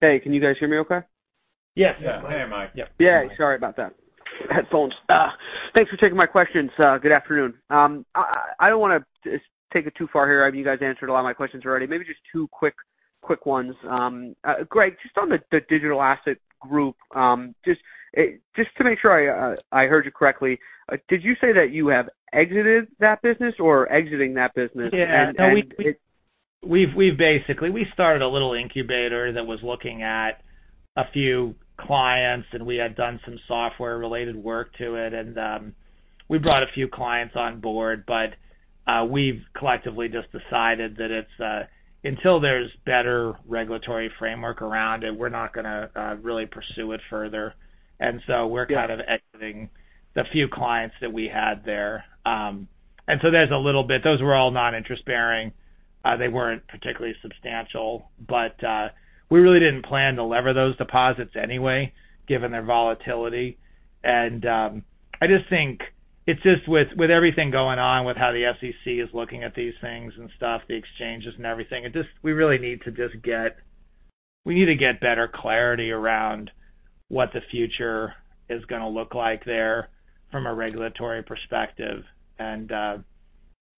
Hey, can you guys hear me okay? Yes. Yeah. Hey, Mike. Yep. Yeah, sorry about that. Headphones. Thanks for taking my questions. Good afternoon. I, I don't wanna just take it too far here. You guys answered a lot of my questions already. Maybe just two quick, quick ones. Greg, just on the, the digital asset group, just to make sure I, I heard you correctly, did you say that you have exited that business or exiting that business? Yeah. And, and it- We've, we've basically, we started a little incubator that was looking at a few clients, and we had done some software-related work to it, and we brought a few clients on board. We've collectively just decided that it's until there's better regulatory framework around it, we're not gonna really pursue it further. We're kind of exiting the few clients that we had there. There's a little bit. Those were all non-interest-bearing. They weren't particularly substantial, but we really didn't plan to lever those deposits anyway, given their volatility. I just think it's just with, with everything going on, with how the SEC is looking at these things and stuff, the exchanges and everything, we really need to get better clarity around what the future is gonna look like there from a regulatory perspective.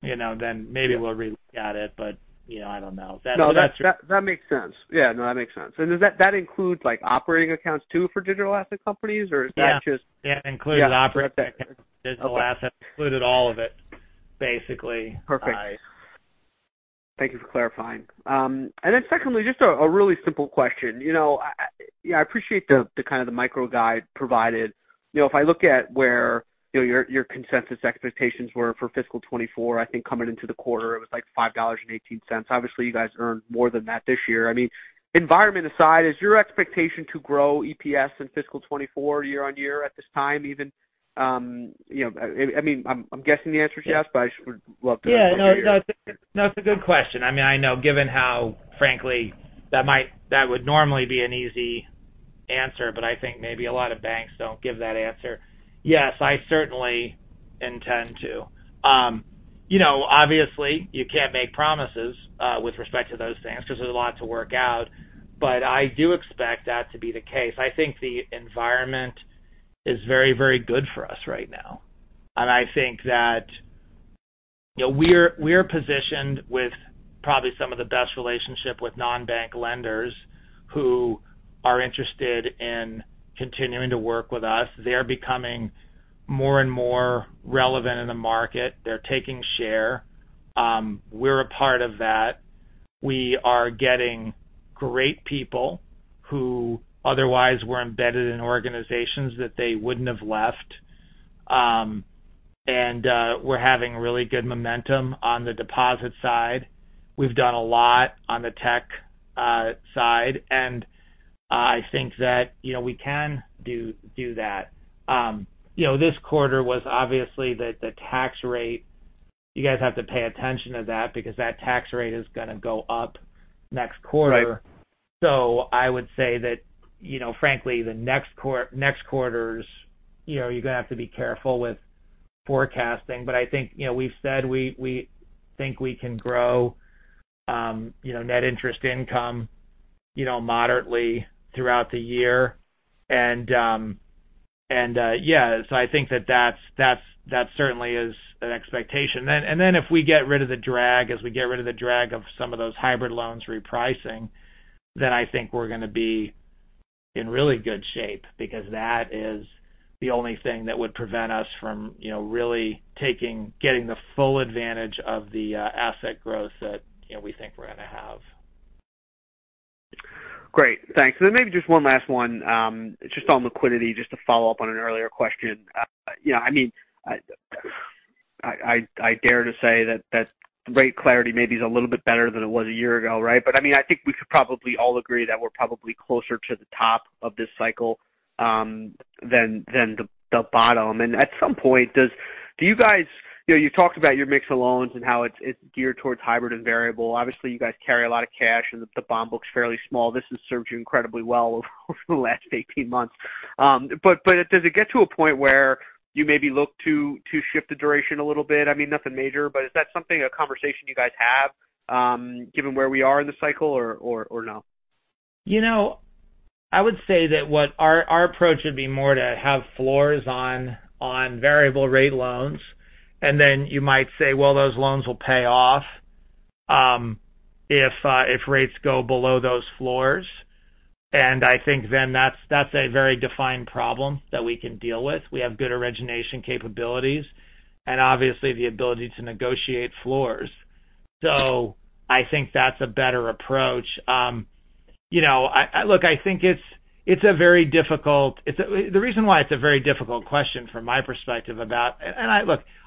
You know, then maybe we'll re-look at it, but, you know, I don't know. No, that, that, that makes sense. Yeah, no, that makes sense. Does that, that includes like, operating accounts, too, for digital asset companies? Yeah. Or is that just- Yeah, it includes- Yeah... operating digital assets. Included all of it, basically. Perfect. I- Thank you for clarifying. Then secondly, just a really simple question. You know, I, I, I appreciate the, the kind of the micro guide provided. You know, if I look at where, you know, your, your consensus expectations were for fiscal 2024, I think coming into the quarter, it was like $5.18. Obviously, you guys earned more than that this year. I mean, environment aside, is your expectation to grow EPS in fiscal 2024 year-on-year at this time? Even, you know, I, I mean, I'm, I'm guessing the answer is yes, but I sure would love to hear. Yeah. No, no, it's a good question. I mean, I know, given how, frankly, that would normally be an easy answer, but I think maybe a lot of banks don't give that answer. Yes, I certainly intend to. You know, obviously, you can't make promises with respect to those things, because there's a lot to work out, but I do expect that to be the case. I think the environment is very, very good for us right now. I think that, you know, we're positioned with probably some of the best relationship with non-bank lenders, who are interested in continuing to work with us. They're becoming more and more relevant in the market. They're taking share. We're a part of that. We are getting great people who otherwise were embedded in organizations that they wouldn't have left. We're having really good momentum on the deposit side. We've done a lot on the tech side, and I think that, you know, we can do, do that. You know, this quarter was obviously the, the tax rate. You guys have to pay attention to that, because that tax rate is gonna go up next quarter. Right. I would say that, you know, frankly, the next next quarters, you know, you're gonna have to be careful with forecasting. I think, you know, we've said we, we think we can grow, you know, net interest income, you know, moderately throughout the year. And, yeah, I think that that's, that's, that certainly is an expectation. And then if we get rid of the drag, as we get rid of the drag of some of those hybrid loans repricing, then I think we're gonna be in really good shape, because that is the only thing that would prevent us from, you know, really getting the full advantage of the asset growth that, you know, we think we're gonna have. Great, thanks. Then maybe just one last one, just on liquidity, just to follow up on an earlier question. You know, I mean, I dare to say that that rate clarity maybe is a little bit better than it was a year ago, right? I mean, I think we could probably all agree that we're probably closer to the top of this cycle, than, than the, the bottom. At some point, do you guys... You know, you talked about your mix of loans and how it's, it's geared towards hybrid and variable. Obviously, you guys carry a lot of cash, and the bond book's fairly small. This has served you incredibly well over the last 18 months. But does it get to a point where you maybe look to, to shift the duration a little bit? I mean, nothing major, but is that something, a conversation you guys have, given where we are in the cycle, or, or, or not? You know, I would say that what our, our approach would be more to have floors on, on variable rate loans. Then you might say, well, those loans will pay off, if rates go below those floors. I think then that's, that's a very defined problem that we can deal with. We have good origination capabilities, and obviously, the ability to negotiate floors. I think that's a better approach. You know, Look, I think it's, it's a very difficult The reason why it's a very difficult question from my perspective. Look,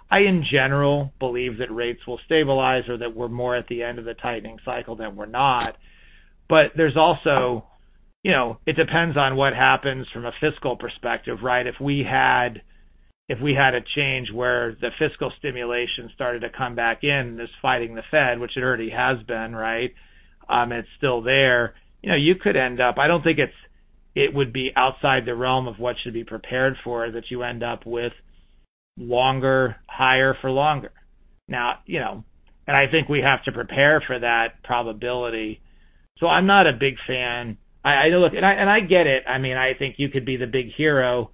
I, in general, believe that rates will stabilize or that we're more at the end of the tightening cycle than we're not. There's also, you know, it depends on what happens from a fiscal perspective, right? If we had, if we had a change where the fiscal stimulation started to come back in, this fighting the Fed, which it already has been, right? It's still there. You know, you could end up, I don't think it's, it would be outside the realm of what should be prepared for, that you end up with longer, higher for longer. Now, you know, I think we have to prepare for that probability. I'm not a big fan. I, I... Look, and I, and I get it. I mean, I think you could be the big hero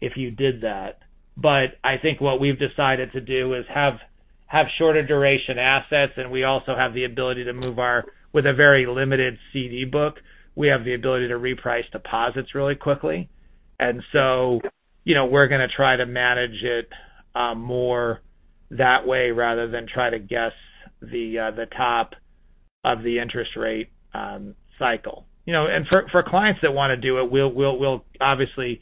if you did that. I think what we've decided to do is have, have shorter duration assets, and we also have the ability to move our. With a very limited C.D. book, we have the ability to reprice deposits really quickly. You know, we're gonna try to manage it more that way, rather than try to guess the top of the interest rate cycle. You know, for clients that wanna do it, we'll obviously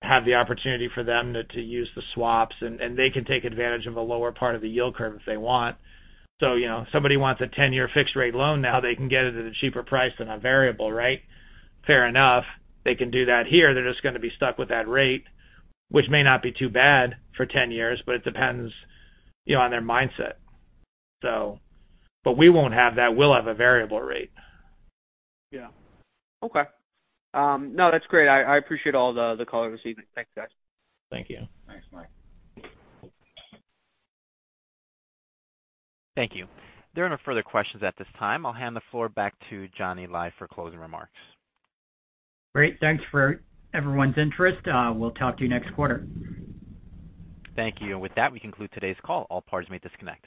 have the opportunity for them to use the swaps, and they can take advantage of a lower part of the yield curve if they want. You know, if somebody wants a 10-year fixed rate loan, now they can get it at a cheaper price than a variable, right? Fair enough. They can do that here. They're just gonna be stuck with that rate, which may not be too bad for 10 years, but it depends, you know, on their mindset. We won't have that. We'll have a variable rate. Yeah. Okay. No, that's great. I, I appreciate all the, the color this evening. Thanks, guys. Thank you. Thanks, Mike. Thank you. There are no further questions at this time. I'll hand the floor back to Johnny Lai for closing remarks. Great. Thanks for everyone's interest. We'll talk to you next quarter. Thank you. With that, we conclude today's call. All parties may disconnect.